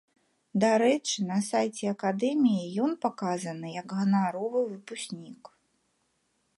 Дарэчы, на сайце акадэміі ён паказаны як ганаровы выпускнік.